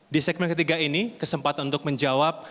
di segmen ketiga ini kesempatan untuk menjawab